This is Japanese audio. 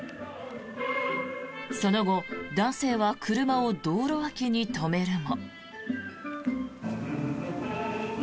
その後、男性は車を道路脇に止めるも。